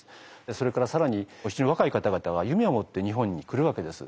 それから更に非常に若い方々は夢を持って日本に来るわけです。